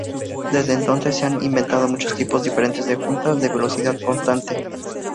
Desde entonces se han inventado muchos tipos diferentes de juntas de velocidad constante.